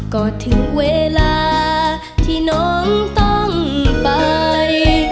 ก็ถึงเวลาที่น้องต้องไป